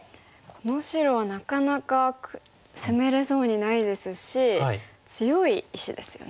この白はなかなか攻めれそうにないですし強い石ですよね。